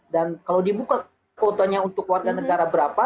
dan kalau dibuka fotonya untuk warga negara berapa